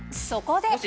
そこで。